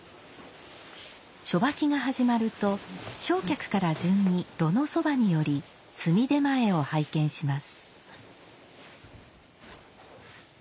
初掃きが始まると正客から順に炉のそばに寄り炭手前を拝見します。